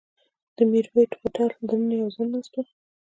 د مریوټ هوټل دننه یو ځوان ناست و.